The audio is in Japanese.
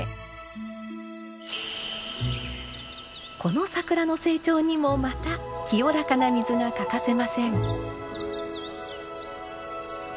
この桜の成長にもまた清らかな水が欠かせません。